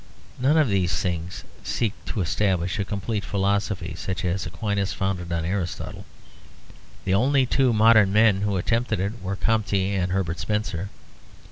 None of these things seek to establish a complete philosophy such as Aquinas founded on Aristotle. The only two modern men who attempted it were Comte and Herbert Spencer.